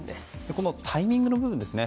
このタイミングの部分ですね。